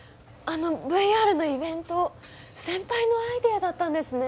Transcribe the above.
あのＶＲのイベント先輩のアイデアだったんですね。